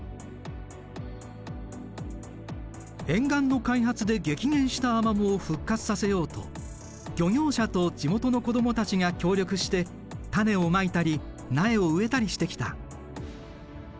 沿岸の開発で激減したアマモを復活させようと漁業者と地元の子供たちが協力して種をまいたり苗を植えたりしてきた。